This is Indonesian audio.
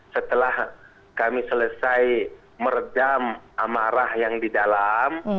setelah kami selesai meredam amarah yang di dalam